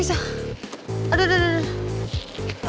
aduh duh duh duh